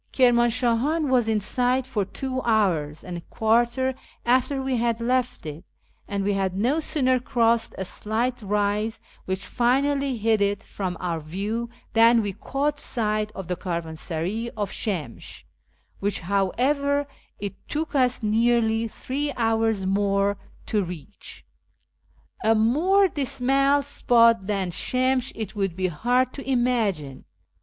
Kirmanshahan was in sight for two hours and a quarter after we had left it, and we had no sooner crossed a slight rise which finally hid it from our view than we caught sight of the caravansaray of Shemsh, which, how ever, it took us nearly three hours more to reach. A more dismal spot than Shemsh it would be hard to imagine.